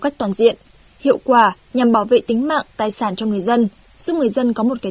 cách toàn diện hiệu quả nhằm bảo vệ tính mạng tài sản cho người dân giúp người dân có một kế